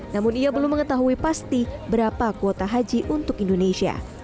namun ia belum mengetahui pasti berapa kuota haji untuk indonesia